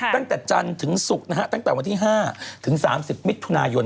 ตั้งแต่จันทร์ถึงศุกร์นะฮะตั้งแต่วันที่๕ถึง๓๐มิถุนายน